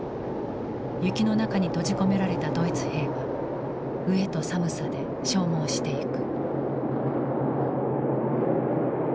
雪の中に閉じ込められたドイツ兵は飢えと寒さで消耗してゆく。